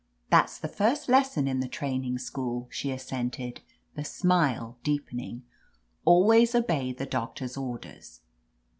"That's the first lesson in the training school/' she assented, the smile deepening. "Always obey the doctor's orders."